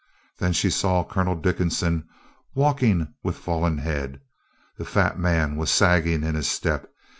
Then she saw Colonel Dickinson walking with fallen head. The fat man was sagging in his step.